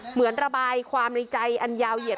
เหมือนระบายความในใจอันยาวเหยียด